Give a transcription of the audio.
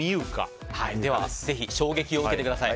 ぜひ衝撃を受けてください。